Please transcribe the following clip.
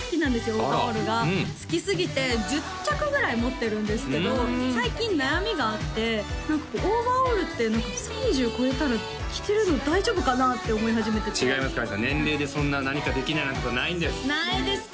オーバーオールが好きすぎて１０着ぐらい持ってるんですけど最近悩みがあって何かこうオーバーオールって３０こえたら着てるの大丈夫かな？って思い始めて違いますかりんさん年齢でそんな何かできないとかないんですないですか？